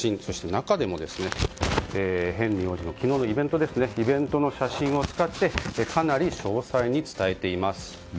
中でもヘンリー王子の昨日のイベントの写真を使ってかなり詳細に伝えています。